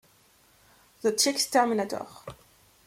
"The Chicks Terminator"